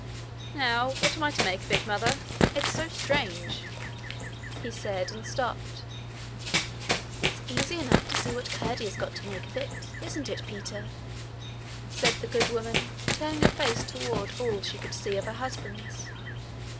'Now what am I to make of it, Mother? it's so strange!' he said, and stopped. 'It's easy enough to see what Curdie has got to make of it, isn't it, Peter?' said the good woman, turning her face toward all she could see of her husband's.